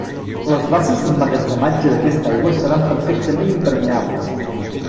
Les basses d'emmagatzematge d'aquesta aigua seran perfectament impermeables.